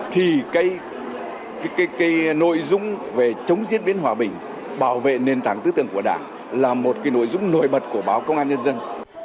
thì cái nội dung về chống diễn biến hòa bình bảo vệ nền tảng tư tưởng của đảng là một cái nội dung nổi bật của báo công an nhân dân